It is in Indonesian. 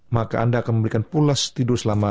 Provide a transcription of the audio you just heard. maka anda akan memberikan pulas tidur selama